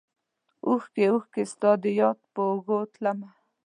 اوښکې ، اوښکې ستا دیاد په اوږو تلمه